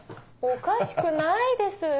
おかしくないです。